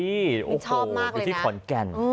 อยู่ที่ขอนแก่น